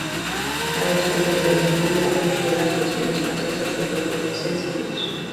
La versión del Reino Unido omitió las versiones francesas de los dos sencillos.